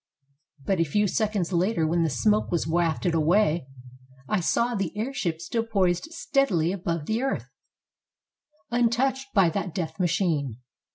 But a few seconds later, when the smoke was wafted away, I saw the airship still poised steadily above the earth, untouched by that death machine.